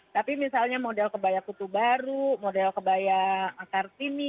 tapi misalnya model kebaya putu baru model kebaya akartini